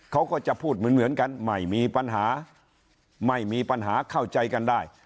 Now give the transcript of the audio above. เขาก็จะพูดเหมือนกันไม่มีปัญหาไม่มีปัญหาเข้าใจกันได้